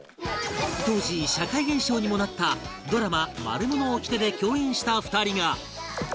当時社会現象にもなったドラマ『マルモのおきて』で共演した２人が